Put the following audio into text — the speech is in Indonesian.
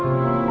oh siapa ini